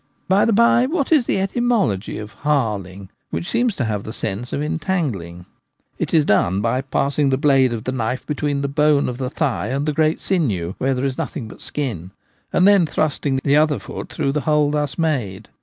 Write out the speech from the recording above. By the bye, what is the etymology of 'harling/ which seems to have the sense of en tangling ? It is done by passing the blade of the knife between the bone of the thigh and the great sinew — where there is nothing but skin — and then thrusting the other foot through the hole thus made.